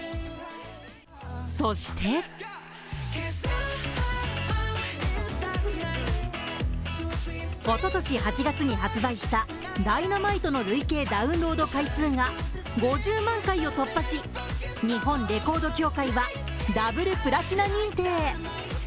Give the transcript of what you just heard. そしておととし８月に発売した「Ｄｙｎａｍｉｔｅ」の累計ダウンロード回数が５０万回を突破し日本レコード協会はダブルプラチナ認定。